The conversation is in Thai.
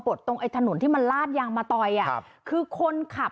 บดตรงไอ้ถนนที่มันลาดยางมาต่อยคือคนขับ